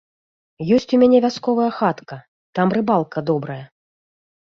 Ёсць у мяне вясковая хатка, там рыбалка добрая.